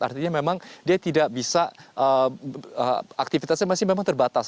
artinya memang dia tidak bisa aktivitasnya masih memang terbatas